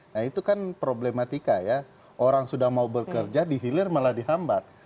nah itu kan problematika ya orang sudah mau bekerja di hilir malah dihambat